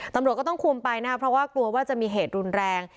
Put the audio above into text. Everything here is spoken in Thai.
ตำรวจก็ต้องคุมไปนะครับเพราะว่ากลัวว่าจะมีเหตุรุนแรง